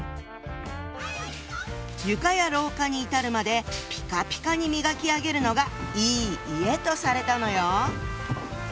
床や廊下に至るまでピカピカに磨き上げるのがいい家とされたのよ。